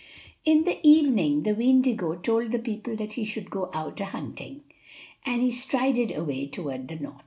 In the evening the Weendigo told the people that he should go out a hunting; and he strided away toward the North.